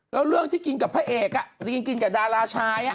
แล้วเรื่องที่กินกับพระเอกจริงกินกับดาราชาย